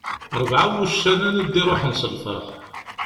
Rebɛa n wuccanen i d-iruḥen s lferḥ.